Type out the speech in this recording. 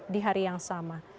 di hari yang sama